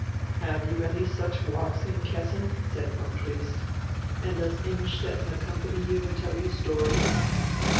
"Have you any such walks in Kessin?" said von Briest, "and does Innstetten accompany you and tell you stories?"